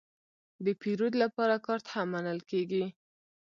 د پیرود لپاره کارت هم منل کېږي.